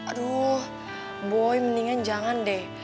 aduh boy mendingan jangan deh